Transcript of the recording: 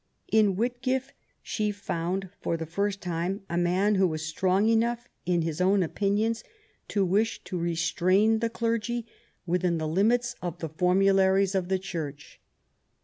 In Whitgift she found for the first time a man who was strong enough in his own opinions to wish to restrain the clergy within the limits of the formularies of the Church.